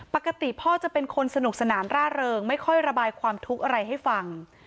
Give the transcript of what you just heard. ปกติพ่อจะเป็นคนสนุกสนานร่าเริงไม่ค่อยระบายความทุกข์อะไรให้ฟัง